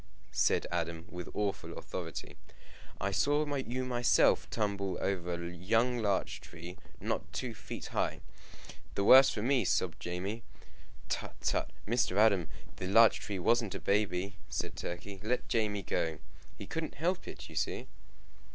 said Adam, with awful authority, "I saw you myself tumble over a young larch tree, not two feet high." "The worse for me!" sobbed Jamie. "Tut! tut! Mr. Adam! the larch tree wasn't a baby," said Turkey. "Let Jamie go. He couldn't help it, you see."